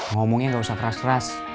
ngomongnya gak usah keras keras